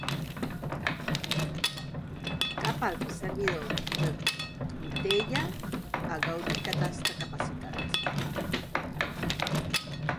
Cap altre servidor de gnutella ha gaudit d'aquesta capacitat.